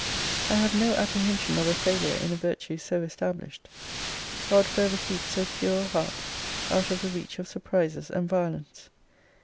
I have no apprehension of a failure in a virtue so established. God for ever keep so pure a heart out of the reach of surprises and violence!